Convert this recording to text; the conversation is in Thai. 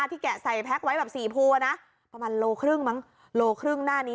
แกะใส่แพ็คไว้แบบสี่ภูอ่ะนะประมาณโลครึ่งมั้งโลครึ่งหน้านี้